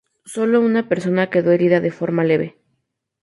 Solo una persona quedó herida de forma leve.